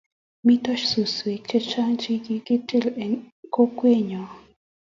Mito suswek chechang' che kikitil eng' kokwenyo.